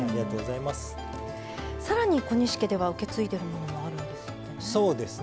さらに、小西家では受け継いでいるものがあるんですね。